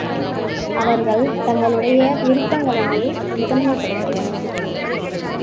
அவர்கள் தங்களுடைய விருப்பங்களையே முதன்மைப் படுத்துவர்.